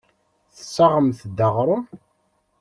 Tessaɣemt-d aɣrum.